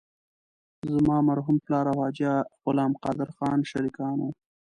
زما مرحوم پلار او حاجي غلام قادر خان شریکان وو.